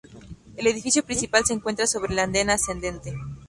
El edificio principal se encuentra sobre el anden ascendente.